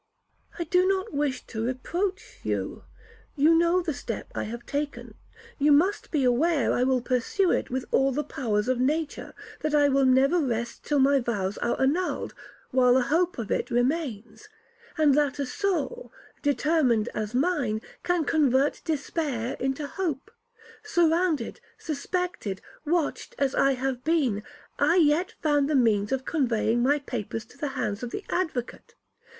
'I do not wish to reproach you. You know the step I have taken, you must be aware I will pursue it with all the powers of nature,—that I will never rest till my vows are annulled, while a hope of it remains,—and that a soul, determined as mine, can convert despair itself into hope. Surrounded, suspected, watched as I have been, I yet found the means of conveying my papers to the hands of the advocate.